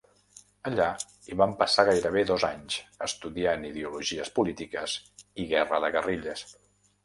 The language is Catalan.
Allà hi van passar gairebé dos anys estudiant ideologies polítiques i guerra de guerrilles.